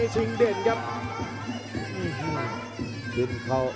จีบด้วยซ้าย